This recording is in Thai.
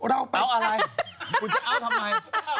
เอาอะไรคุณจะเอาทำไม